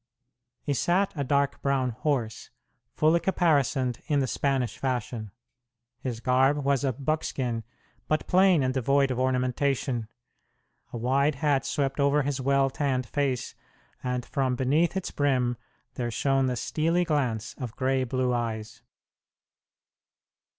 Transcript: He sat a dark brown horse, fully caparisoned in the Spanish fashion. His garb was of buckskin, but plain and devoid of ornamentation. A wide hat swept over his well tanned face, and from beneath its brim there shone the steely glance of gray blue eyes.